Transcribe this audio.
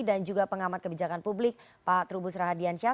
dan juga pengamat kebijakan publik pak trubus rahadian syah